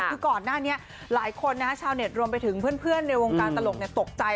คือก่อนหน้านี้หลายคนนะฮะชาวเน็ตรวมไปถึงเพื่อนในวงการตลกตกใจ